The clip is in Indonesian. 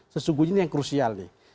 sesungguhnya ini yang krusial nih